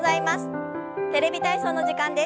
「テレビ体操」の時間です。